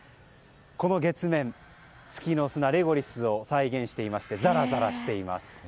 この月面、月の砂レゴリスを再現していましてざらざらしています。